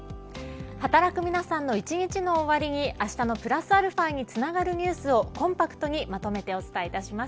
働く皆さんの一日の終わりにあしたのプラスαにつながるニュースをコンパクトにまとめてお伝えいたします。